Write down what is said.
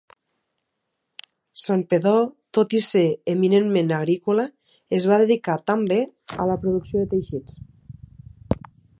Santpedor tot i ser eminentment agrícola es va dedicar també, a la producció de teixits.